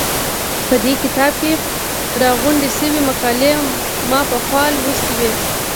په دې کتاب کې راغونډې شوې مقالې ما پخوا لوستې وې.